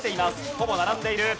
ほぼ並んでいる。